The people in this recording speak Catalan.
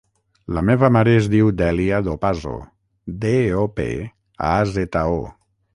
La meva mare es diu Dèlia Dopazo: de, o, pe, a, zeta, o.